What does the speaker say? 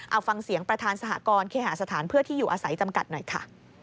เอาฟังเสียงประธานสหกรณ์เคหาสถานเพื่อที่อยู่อาศัยจำกัดหน่อยค่ะ